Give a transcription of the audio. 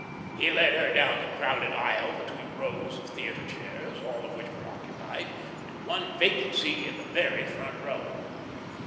He led her down the crowded aisle between rows of theatre chairs, all of which were occupied, to one vacant seat in the very front row.